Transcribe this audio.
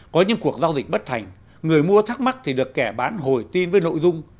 có những cuộc giao dịch bất thành người mua thắc mắc thì được kẻ bán hồi tin với nội dung